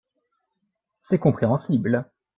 C’est compréhensible.